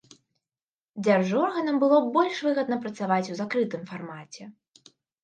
Дзяржорганам было б больш выгодна працаваць у закрытым фармаце.